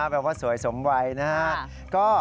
แปลว่าสวยสมไวนะครับ